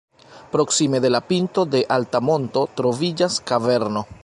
Proksime de la pinto de alta monto troviĝas kaverno.